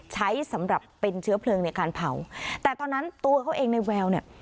ใช้สำหรับเป็นเชื้อเพลิงในการเผาแต่ตอนนั้นตัวเขาเองในแววเนี่ย